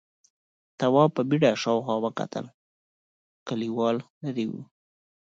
تواب په بيړه شاوخوا وکتل، کليوال ليرې و: